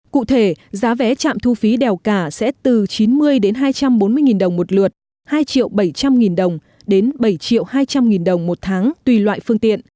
cụ thể giá vé trạm thu phí đèo cả sẽ từ chín mươi đến hai trăm bốn mươi đồng một lượt hai bảy trăm linh nghìn đồng đến bảy hai trăm linh nghìn đồng một tháng tùy loại phương tiện